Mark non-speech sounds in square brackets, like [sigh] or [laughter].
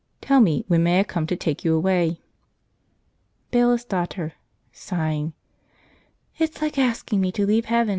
Tell me, when may I come to take you away?" Bailiff's Daughter. [sighs] "It's like asking me to leave Heaven."